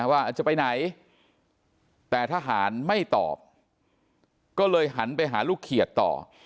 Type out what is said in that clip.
ว่าจะไปไหนแต่ทหารไม่ตอบก็เลยหันไปหาลูกเขียดต่อ